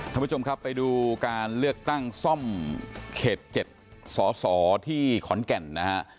ท่านผู้ชมครับไปดูการเลือกตั้งซ่อมเขต๗สอสอที่ขอนแก่นนะฮะ